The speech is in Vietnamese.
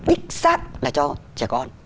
ít sát là cho trẻ con